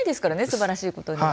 すばらしいことには。